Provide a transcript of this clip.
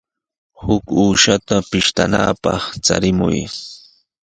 Huk uushata pishtanapaq charimuy.